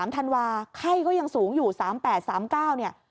๒๓ธันวาคมไข้ก็ยังสูงอยู่๓๘๓๙ธันวาคม